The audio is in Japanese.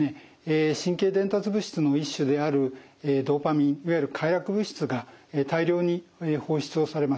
神経伝達物質の一種であるドパミンいわゆる快楽物質が大量に放出をされます。